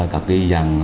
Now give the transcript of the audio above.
các cái dạng